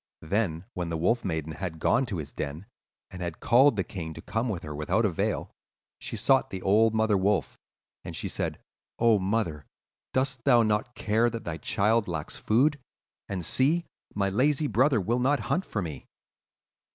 Then, when the Wolf Maiden had gone to his den, and had called the king to come to her without avail, she sought the old mother wolf, and she said, 'Oh, mother, dost thou not care that thy child lacks food? and see, my lazy brother will not hunt for me.